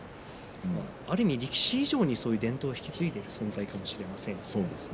ある意味、力士以上にそういう伝統を引き継いでいる存在かもしれませんね。